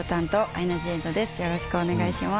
よろしくお願いします。